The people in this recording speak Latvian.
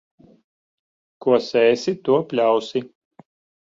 Ko sēsi, to pļausi.